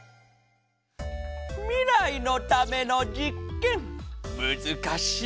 みらいのためのじっけんむずかしいのう。